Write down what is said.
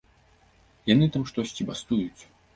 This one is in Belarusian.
Яны там штосьці бастуюць.